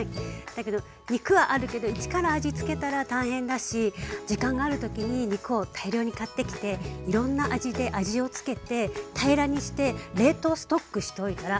だけど肉はあるけど一から味つけたら大変だし時間がある時に肉を大量に買ってきていろんな味で味をつけて平らにして冷凍ストックしておいたらまあ便利。